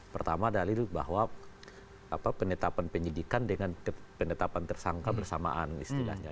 pertama dalil bahwa penetapan penyidikan dengan penetapan tersangka bersamaan istilahnya